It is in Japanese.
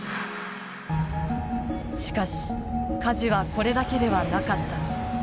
しかし火事はこれだけではなかった。